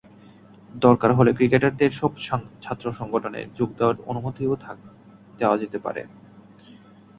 দরকার হলে ক্রিকেটারদের এসব ছাত্রসংগঠনে যোগ দেওয়ার অনুমতিও দেওয়া যেতে পারে।